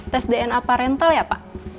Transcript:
tes dna parental ya pak